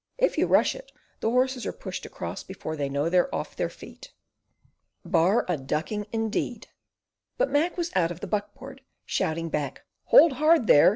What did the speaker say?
If you rush it, the horses are pushed across before they know they're off their feet." "Bar a ducking, indeed!" But Mac was out of the buck board, shouting back, "Hold hard there!